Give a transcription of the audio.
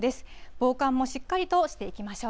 防寒もしっかりとしていきましょう。